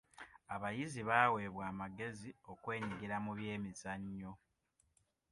Abayizi baweebwa amagezi okwenyigira mu byemizannyo.